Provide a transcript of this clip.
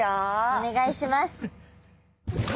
お願いします。